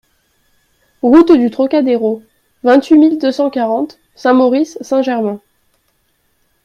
Route du Trocadéro, vingt-huit mille deux cent quarante Saint-Maurice-Saint-Germain